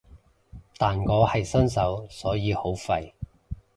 但我係新手所以好廢